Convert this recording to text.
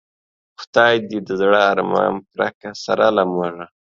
خدای دی د زړه ارمان پوره که سره له مونږه